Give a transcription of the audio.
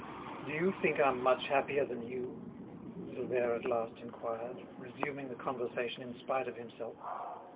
"Do you think I'm much happier than you?" Silvère at last inquired, resuming the conversation in spite of himself.